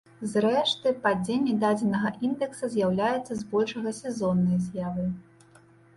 Зрэшты, падзенне дадзенага індэкса з'яўляецца збольшага сезоннай з'явай.